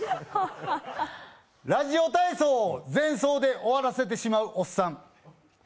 ラジオ体操を前奏で終わらせてしまうおっさん。